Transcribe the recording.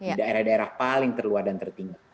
di daerah daerah paling terluar dan tertinggi